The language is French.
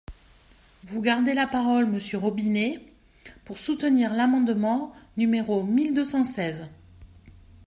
Vous gardez la parole, monsieur Robinet, pour soutenir l’amendement numéro mille deux cent seize.